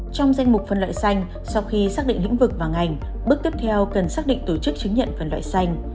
trong danh mục phân loại xanh sau khi xác định lĩnh vực và ngành bước tiếp theo cần xác định tổ chức chứng nhận phân loại xanh